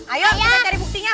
ayo kita cari buktinya